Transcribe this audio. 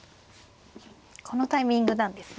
このタイミングなんですね。